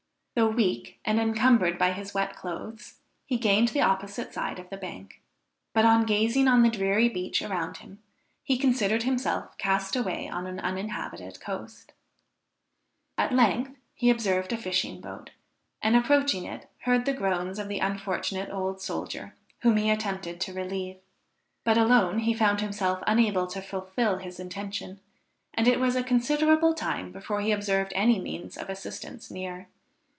Though weak and encumbered by his wet clothes, he gained the opposite side of the bank, but on gazing on the dreary beach around him, he considered himself cast away on an uninhabited coast. At length he observed a fishing boat, and approaching it, heard the groans of the unfortunate old soldier, whom he attempted to relieve. But alone he found himself unable to fulfil his intention, and it was a considerable time before he observed any means of assistance near.